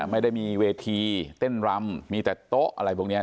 ไม่ได้มีเวทีเต้นรำมีแต่โต๊ะอะไรพวกนี้